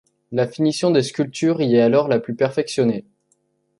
La finition des sculptures y est alors la plus perfectionnée.